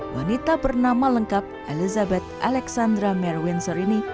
wanita bernama lengkap elizabeth alexandra merwinsor ini